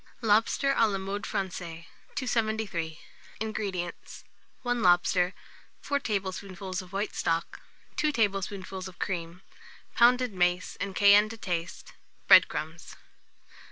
LOBSTER (a la Mode Francaise). 273. INGREDIENTS. 1 lobster, 4 tablespoonfuls of white stock, 2 tablespoonfuls of cream, pounded mace, and cayenne to taste; bread crumbs.